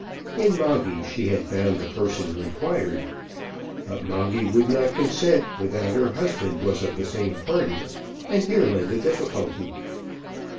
In Moggy she had found the person required, but Moggy would not consent without her husband was of the same party, and here lay the difficulty.